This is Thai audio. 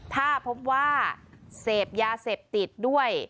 ถ้าพบว่าเสพยาเสพติดด้วย